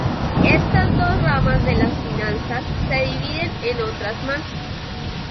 Estas dos ramas de las finanzas se dividen en otras más.